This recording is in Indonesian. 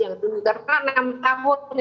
yang terkena enam tahun ini